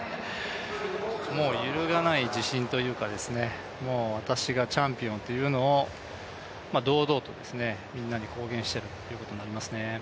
もう揺るがない自信というか、私がチャンピオンというのを堂々とみんなに公言しているということになりますね。